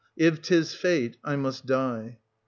If 'tis fate, I must die.